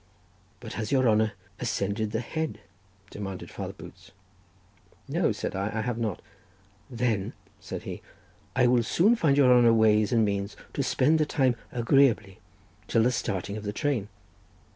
"But has your honour ascended the Head?" demanded Father Boots. "No," said I, "I have not." "Then," said he, "I will soon find your honour ways and means to spend the time agreeably till the starting of the train.